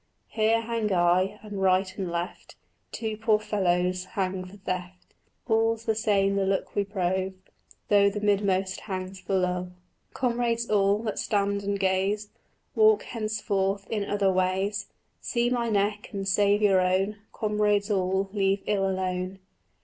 "Here hang I, and right and left Two poor fellows hang for theft: All the same's the luck we prove, Though the midmost hangs for love." "Comrades all, that stand and gaze, Walk henceforth in other ways; See my neck and save your own: Comrades all, leave ill alone."